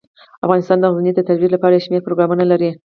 افغانستان د غزني د ترویج لپاره یو شمیر پروګرامونه لري.